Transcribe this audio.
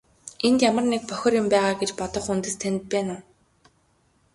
Энд ямар нэг бохир юм байгаа гэж бодох үндэс танд байна уу?